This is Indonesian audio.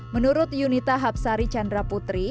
menurut yunita hapsari chandra putri